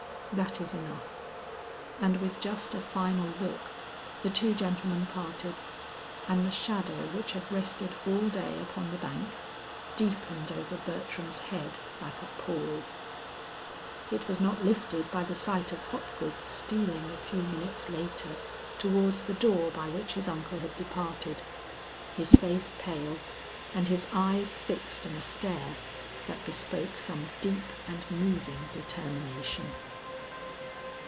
"That is enough." And with just a final look, the two gentlemen parted, and the shadow which had rested all day upon the bank, deepened over Bertram's head like a pall. It was not lifted by the sight of Hopgood stealing a few minutes later towards the door by which his uncle had departed, his face pale, and his eyes fixed in a stare, that bespoke some deep and moving determination.